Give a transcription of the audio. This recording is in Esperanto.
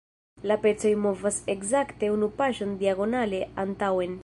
La pecoj movas ekzakte unu paŝon diagonale antaŭen.